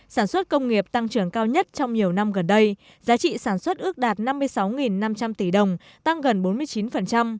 sản xuất công nghiệp tăng trưởng cao nhất trong nhiều năm gần đây giá trị sản xuất ước đạt năm mươi sáu năm trăm linh tỷ đồng tăng gần bốn mươi chín